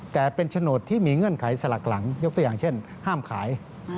แต่เป็นโฉนดที่มีเงื่อนไขสลักหลังยกตัวอย่างเช่นห้ามขาย